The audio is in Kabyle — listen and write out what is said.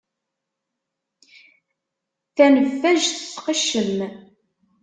Taneffajt tqeccem.